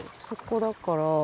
そこだから。